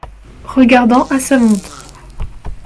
Regardant à sa montre.